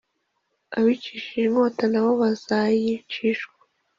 Abicishije inkota nabo bazayicishwa.